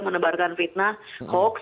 menebarkan fitnah hoax